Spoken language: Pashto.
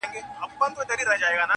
څوك به ليكي دېوانونه د غزلو.!